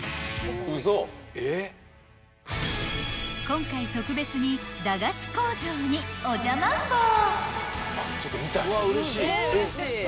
［今回特別に駄菓子工場にお邪魔んぼう！］